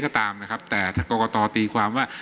แต่กรกตตีความว่า